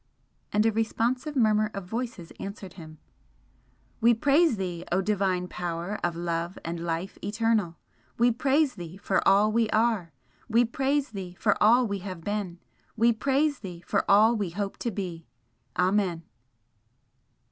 And a responsive murmur of voices answered him: "We praise Thee, O Divine Power of Love and Life eternal! We praise Thee for all we are! We praise Thee for all we have been! We praise Thee for all we hope to be! Amen."